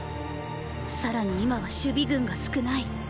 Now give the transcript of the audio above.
さらに今は守備軍が少ない。